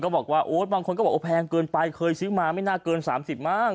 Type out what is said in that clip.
บางคนก็บอกว่าแพงเกินไปเคยซื้อมาไม่น่าเกิน๓๐บาท